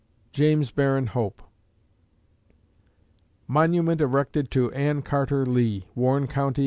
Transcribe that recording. JAMES BARRON HOPE _Monument erected to Anne Carter Lee, Warren County, N.